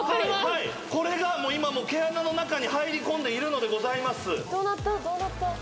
これがもう今毛穴の中に入り込んでいるのでございます